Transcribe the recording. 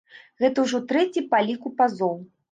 Гэта ўжо трэці па ліку пазоў.